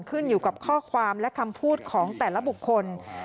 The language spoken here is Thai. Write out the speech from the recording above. ขึ้นอยู่กับข้อความและคำพูดของแต่ละบุคคล